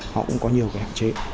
họ cũng có nhiều cái hạn chế